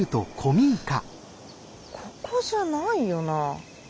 ここじゃないよな。